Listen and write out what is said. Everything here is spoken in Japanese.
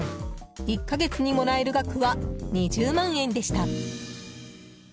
１か月にもらえる額は２０万円でした。